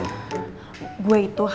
gue itu harus menyedari